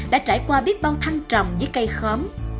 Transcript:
đã trải qua biết bao thăng trầm với cây khóm